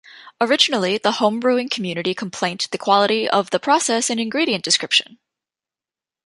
Originally, the homebrewing community complaint the quality of the process and ingredient description.